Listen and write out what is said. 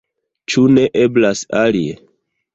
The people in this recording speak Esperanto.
Ĉu ne eblas alie?